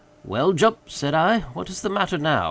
"Well, Jup," said I, "what is the matter now?